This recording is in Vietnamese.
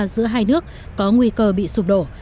cho hai nước có nguy cơ bị sụp đổ